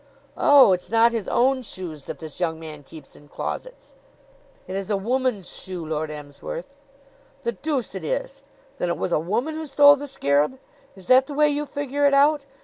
"Oh, it's not his own shoes that this young man keeps in closets?" "It is a woman's shoe, Lord Emsworth." "The deuce it is! Then it was a woman who stole the scarab? Is that the way you figure it out?